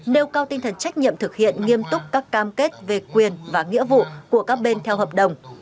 nêu cao tinh thần trách nhiệm thực hiện nghiêm túc các cam kết về quyền và nghĩa vụ của các bên theo hợp đồng